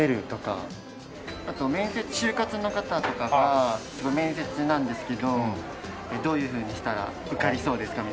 あと就活の方とかが「面接なんですけどどういうふうにしたら受かりそうですか？」